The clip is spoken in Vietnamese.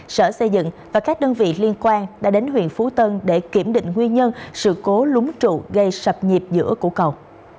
sở xây dựng và các đơn vị liên quan đã đến huyện phú tân để kiểm định nguyên nhân sự cố lúng trụ gây sập nhịp giữa cổ cầu